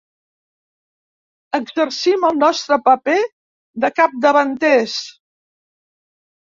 Exercim el nostre paper de capdavanters.